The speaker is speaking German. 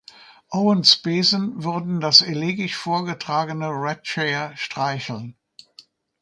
Owens’ Besen würden das elegisch vorgetragene „Red Chair“ streicheln.